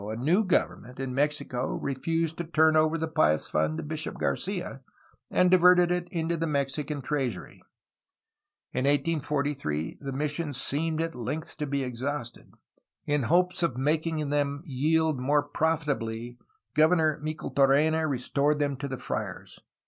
— a new government 472^ A HISTORY OF CALIFORNIA in Mexico refused to turn over the Pious Fund to Bishop Garcia, and diverted it into the Mexican treasury. In 1843 the missions seemed at length to be exhausted. In hopes of making them yield more profitably Governor Micheltorena restored them to the friars.